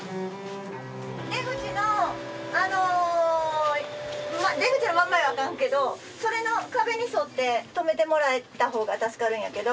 出口の出口の真ん前はあかんけどそれの壁に沿って止めてもらった方が助かるんやけど。